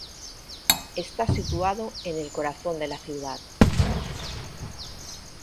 Está situado en el corazón de la ciudad.